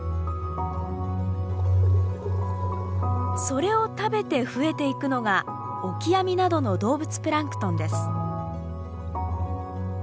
それを食べて増えていくのがオキアミなどの動物プランクトンです。